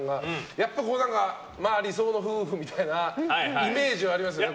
やっぱり理想の夫婦みたいなイメージはありますよね。